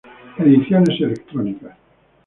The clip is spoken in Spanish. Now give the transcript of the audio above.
Ediciones electrónicas